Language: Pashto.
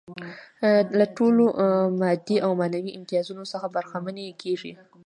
له ټولو مادي او معنوي امتیازاتو څخه برخمنې کيږي.